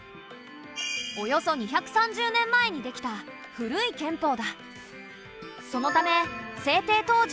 およそ２３０年前にできた古い憲法だ。